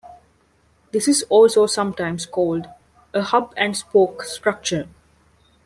This is also sometimes called a "hub and spoke" structure.